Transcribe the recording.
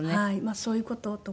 そういう事とか。